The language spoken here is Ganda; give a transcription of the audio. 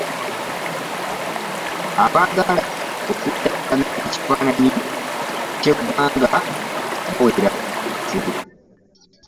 Abaagala okuttattana ekifaananyi ky'eggwanga bawera.